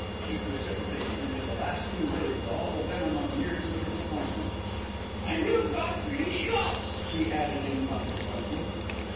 She precipitated into the last two words all the venom of years of disappointment. "And you've got three shops," she added inconsequently.